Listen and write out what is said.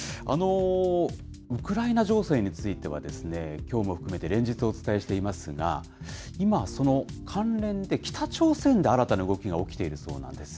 ウクライナ情勢については、きょうも含めて連日お伝えしていますが、今、その関連で、北朝鮮で新たな動きが起きているそうなんです。